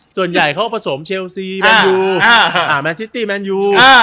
ส่วนใหญ่เขาผสมเชลซีแมนยูแมนซิตี้แมนยู